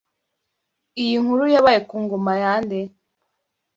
Iyi nkuru yabaye ku ngoma ya nde